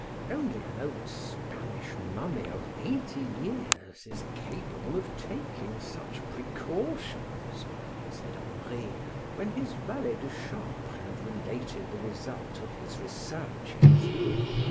Only an old Spanish mummy of eighty years is capable of taking such precautions," said Henri, when his valet de chambre had related the result of his researches.